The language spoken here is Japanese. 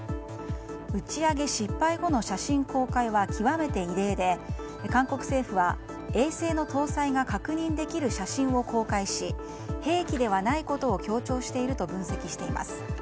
打ち上げ失敗後の写真公開は極めて異例で、韓国政府は衛星の搭載が確認できる写真を公開し兵器ではないことを強調していると分析しています。